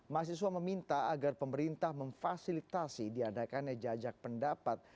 mahasiswa meminta agar pemerintah memfasilitasi diadakannya jajak pendapat